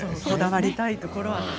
こだわりたいところは。